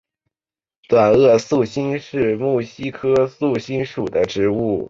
短萼素馨是木犀科素馨属的植物。